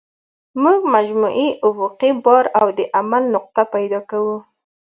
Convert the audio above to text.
موږ مجموعي افقي بار او د عمل نقطه پیدا کوو